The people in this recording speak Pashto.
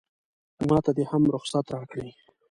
ماته دې هم رخصت راکړي.